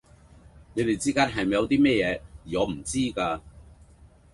你哋之間係咪有啲咩嘢,而我唔知嘅?